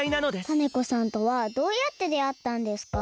タネ子さんとはどうやってであったんですか？